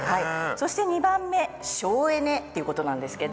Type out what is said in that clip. そして２番目省エネっていうことなんですけど。